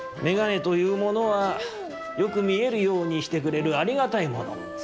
めがねというものはよくみえるようにしてくれるありがたいもの。